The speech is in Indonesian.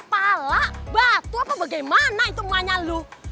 pala batu apa bagaimana itu emaknya lu